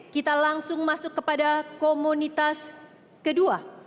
kita langsung masuk kepada komunitas kedua